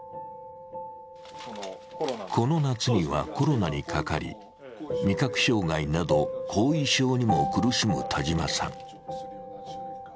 この夏にはコロナにかかり、味覚障害など後遺症にも苦しむ田島さん。